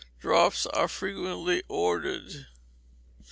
drops are frequently ordered.